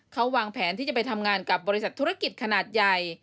เขาวางแผนที่จะไปทำงานกับบริษัทธุรกิจขนาดใหญ่